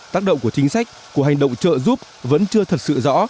tác động của chính sách của hành động trợ giúp vẫn chưa thật sự rõ